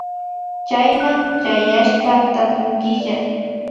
Chayman chayashpa tapunkilla